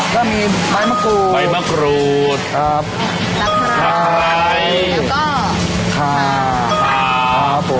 ถ้ามีใบมะกรูดถ้าไข่แล้วก็ทาครับ